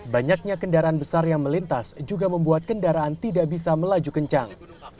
banyaknya kendaraan besar yang melintas juga membuat kendaraan tidak bisa melaju kencang